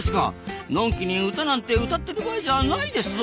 のんきに歌なんて歌ってる場合じゃないですぞ！